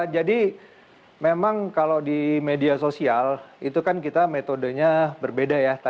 jadi memang kalau di media sosial itu kan kita metodenya berbeda ya